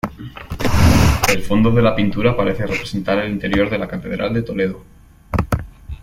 El fondo de la pintura parece representar el interior de la catedral de Toledo.